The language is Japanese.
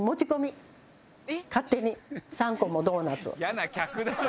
「嫌な客だな！」